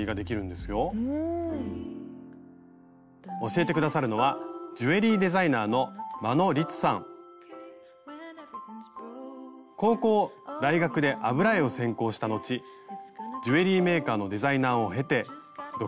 教えて下さるのは高校大学で油絵を専攻した後ジュエリーメーカーのデザイナーを経て独立。